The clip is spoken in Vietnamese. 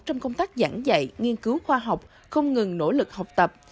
trong công tác giảng dạy nghiên cứu khoa học không ngừng nỗ lực học tập